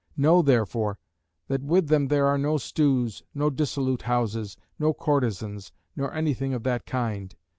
Know therefore, that with them there are no stews, no dissolute houses, no courtesans, nor anything of that kind.